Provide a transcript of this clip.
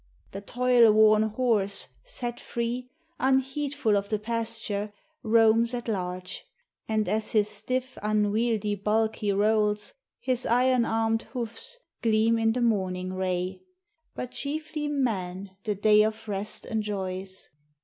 The toil worn horse, set free, Unheedful of the pasture, roams at large; And as his stiff, unwieldy bulk he rolls, His iron armed hoofs gleam in the morning ray. But chiefly man the day of rest enjoys.